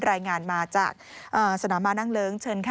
รายงานมาจากสนามมานั่งเลิ้งเชิญค่ะ